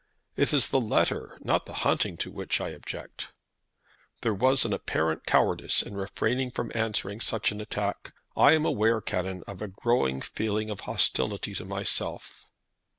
"It is the letter, not the hunting, to which I object." "There was an apparent cowardice in refraining from answering such an attack. I am aware, Canon, of a growing feeling of hostility to myself."